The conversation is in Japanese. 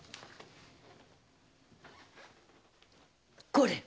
これ！